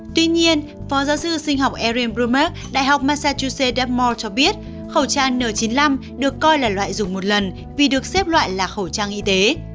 tuy nhiên phó giáo sư sinh học erin brummer đại học massachusetts at moore cho biết khẩu trang n chín mươi năm được coi là loại dùng một lần vì được xếp loại là khẩu trang y tế